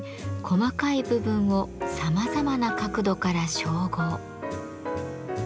細かい部分をさまざまな角度から照合。